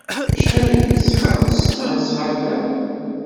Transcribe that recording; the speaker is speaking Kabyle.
Acḥal ay d-tesqam tesnasɣalt-a?